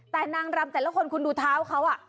แต่นางรำแต่ละคนคุณดูเท้าเขา